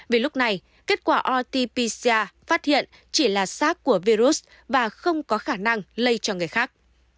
vì lúc này kết quả rt pcr phát hiện chỉ là sars của virus và không có khả năng lây cho người khác